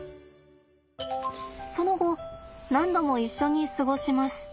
その後何度も一緒に過ごします。